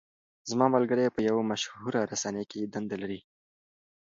زما ملګری په یوه مشهوره رسنۍ کې دنده لري.